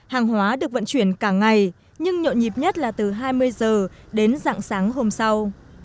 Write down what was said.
hàng hóa được vận chuyển cả ngày nhưng nhộn nhịp nhất là từ hai mươi giờ đến dạng sáng hôm sau